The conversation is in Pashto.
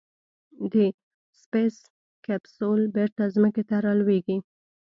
د سپېس کیپسول بېرته ځمکې ته رالوېږي.